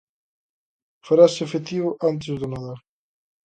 Farase efectivo antes do Nadal.